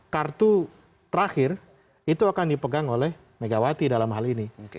kartu terakhir itu akan dipegang oleh megawati dalam hal ini